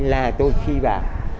là tôi khi bạn